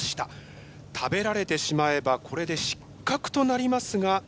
食べられてしまえばこれで失格となりますが。